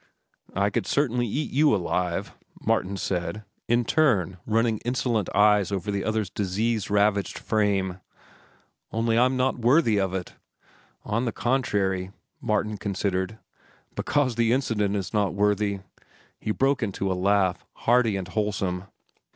"I could certainly eat you alive," Martin said, in turn running insolent eyes over the other's disease ravaged frame. "Only I'm not worthy of it?" "On the contrary," Martin considered, "because the incident is not worthy." He broke into a laugh, hearty and wholesome.